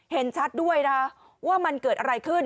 เห็นชัดด้วยนะว่ามันเกิดอะไรขึ้น